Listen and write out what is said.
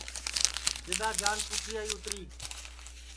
جِدؔا جان پُٹھی آئی اِتری